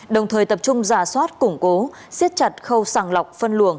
đồng thời tập trung giả soát củng cố siết chặt khâu sàng lọc phân luồng